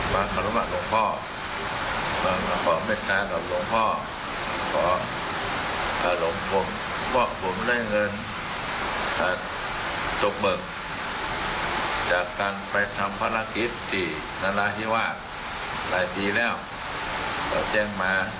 บอกว่าใจเงินของค่าเริ่มทาง